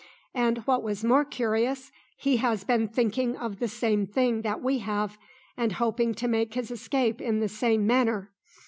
And what was more curious, he has been thinking of the same thing that we have, and hoping to make his escape in the same manner.